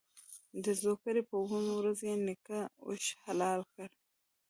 د زوکړ ې په اوومه ورځ یې نیکه اوښ حلال کړ.